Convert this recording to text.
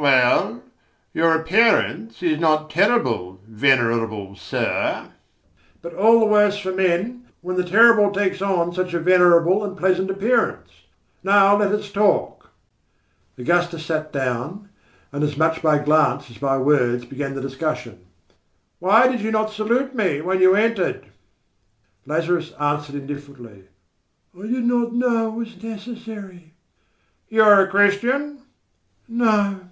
"Well, your appearance is not terrible, venerable sir. But all the worse for men, when the terrible takes on such a venerable and pleasant appearance. Now let us talk." Augustus sat down, and as much by glance as by words began the discussion. "Why did you not salute me when you entered?" Lazarus answered indifferently: "I did not know it was necessary." "You are a Christian?" "No."